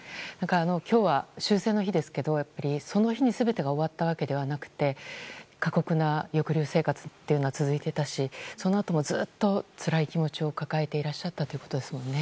今日は終戦の日ですけどその日に全てが終わったわけではなくて過酷な抑留生活というのは続いてたしそのあともずっとつらい気持ちを抱えていらっしゃったってことですもんね。